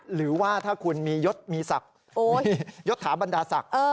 หรือว่าถ้าคุณมียศมีศักดิ์มียศถาบรรดาศักดิ์